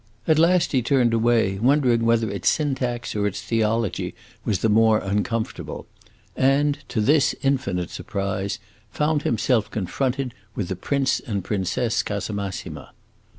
At last he turned away, wondering whether its syntax or its theology was the more uncomfortable, and, to this infinite surprise, found himself confronted with the Prince and Princess Casamassima.